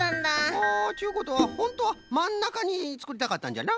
あちゅうことはほんとはまんなかにつくりたかったんじゃな？